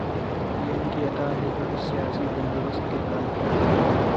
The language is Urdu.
یہ ان کی عطا ہے جو اس سیاسی بندوبست کے خالق ہیں۔